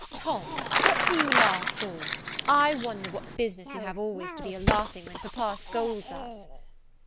"Tom, what do you laugh for? I wonder what business you have to be always a laughing when Papa scolds us?"